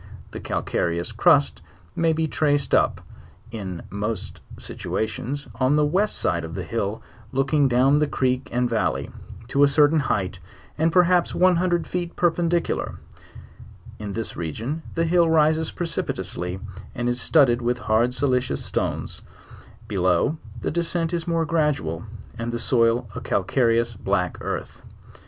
The calcareous crust may be traced up, in most situations on the west side of the hill looking down the creek and valley, to a certain height, and perhaps one hundred feet perpendicular; in this region the hill rises precipitously, and is studded with hard silicious stones; below, the descent is more gradual, and the soil a calcareous black earth.